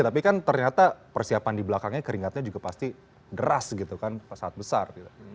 tapi ternyata persiapan di belakangnya keringatnya juga pasti deras gitu kan saat besar